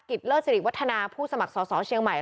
กิตเลอร์เจริกวัฒนาผู้สมัครสอบสอเชียงใหม่